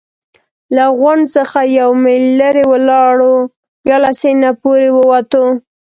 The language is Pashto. له غونډ څخه یو میل لرې ولاړو، بیا له سیند نه پورې ووتو.